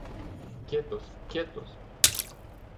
¡ quietos!... ¡ quietos!...